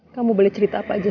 kamu boleh cerita apa aja